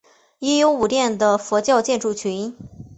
已有五殿的佛教建筑群。